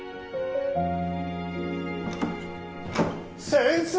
・先生。